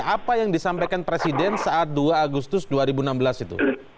apa yang disampaikan presiden saat dua agustus dua ribu enam belas itu